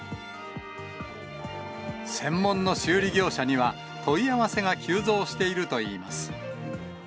専門の修理業者には問い合わせが急増しているといいます。